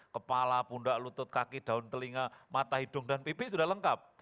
kepala pundak lutut kaki daun telinga mata hidung dan pipi sudah lengkap